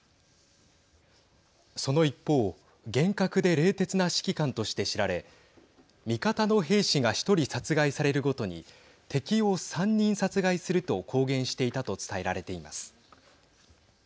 その一方厳格で冷徹な指揮官として知られ味方の兵士が１人殺害されるごとに敵を３人殺害すると公言していたと伝えられています。